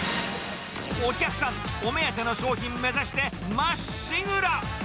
お客さん、お目当ての商品目指してまっしぐら。